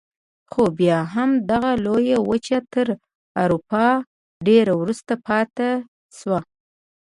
خو بیا هم دغه لویه وچه تر اروپا ډېره وروسته پاتې شوه.